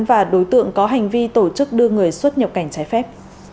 và đối tượng có hành vi tổ chức đưa người xuất nhập cảnh trái phép